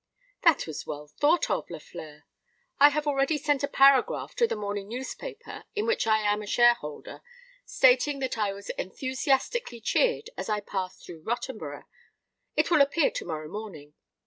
"That was well thought of, Lafleur. I have already sent a paragraph to the morning newspaper in which I am a shareholder, stating that I was enthusiastically cheered as I passed through Rottenborough. It will appear to morrow morning.